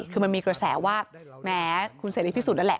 คือมันมีกระแสว่าแหมคุณเศรษฐีพิสูจน์นั่นแหละ